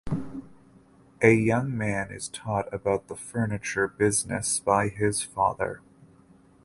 A young man is taught about the furniture business by his father.